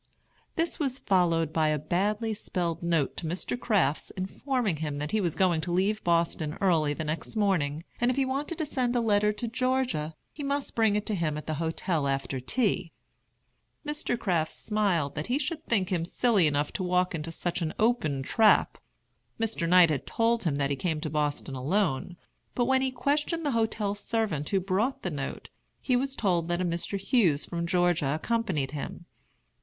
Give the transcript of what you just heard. This was followed by a badly spelled note to Mr. Crafts, informing him that he was going to leave Boston early the next morning, and if he wanted to send a letter to Georgia he must bring it to him at the hotel after tea. Mr. Crafts smiled that he should think him silly enough to walk into such an open trap. Mr. Knight had told him that he came to Boston alone; but when he questioned the hotel servant who brought the note, he was told that a Mr. Hughes from Georgia accompanied him.